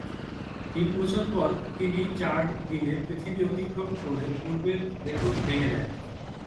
তিন বছর পর তিনি চার দিনে পৃথিবী অতিক্রম করে পূর্বের রেকর্ড ভেঙ্গে দেন।